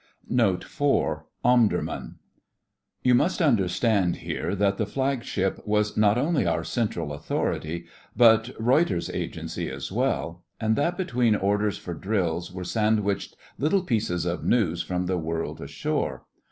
NOTE IV OMDURMAN You must understand here that the Flagship was not only our central authority, but Reuter's Agency as well; and that between orders for drills were sandwiched little pieces of news from the world ashore.